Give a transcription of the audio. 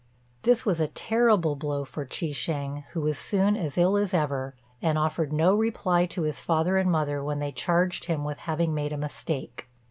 This was a terrible blow for Chi shêng, who was soon as ill as ever, and offered no reply to his father and mother when they charged him with having made a mistake.